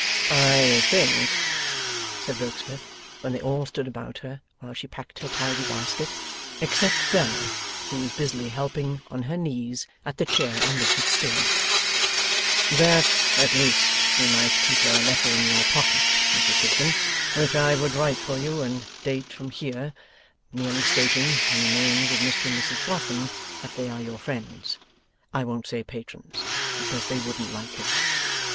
'I think,' said Rokesmith, when they all stood about her, while she packed her tidy basket except Bella, who was busily helping on her knees at the chair on which it stood; 'that at least you might keep a letter in your pocket, Mrs Higden, which I would write for you and date from here, merely stating, in the names of Mr and Mrs Boffin, that they are your friends; I won't say patrons, because they wouldn't like it.